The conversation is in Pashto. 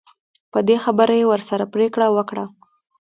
په دې خبره یې ورسره پرېکړه وکړه.